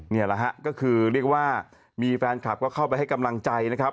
นี่แหละฮะก็คือเรียกว่ามีแฟนคลับก็เข้าไปให้กำลังใจนะครับ